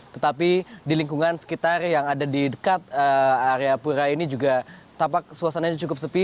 tetapi di lingkungan sekitar yang ada di dekat area pura ini juga tampak suasananya cukup sepi